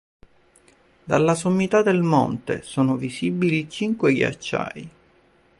Dalla sommità del monte sono visibili cinque ghiacciai.